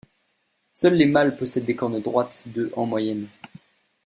Seuls les mâles possèdent des cornes droites de en moyenne.